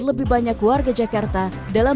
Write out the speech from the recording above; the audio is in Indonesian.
lebih banyak warga jakarta dalam